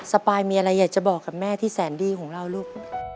ปายมีอะไรอยากจะบอกกับแม่ที่แสนดีของเราลูก